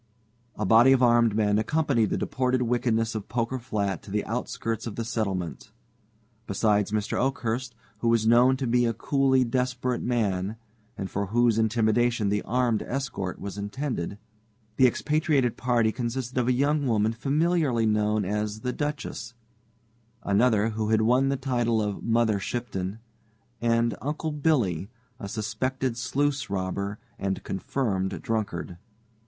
A body of armed men accompanied the deported wickedness of Poker Flat to the outskirts of the settlement. Besides Mr. Oakhurst, who was known to be a coolly desperate man, and for whose intimidation the armed escort was intended, the expatriated party consisted of a young woman familiarly known as the "Duchess"; another, who had won the title of "Mother Shipton"; and "Uncle Billy," a suspected sluice robber and confirmed drunkard.